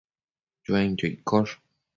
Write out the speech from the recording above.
Chuenquio iccosh